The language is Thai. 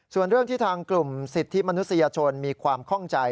ส่วนเรื่องที่ทางกลุ่มสิทธิมนุษยชนมีความคล่องใจ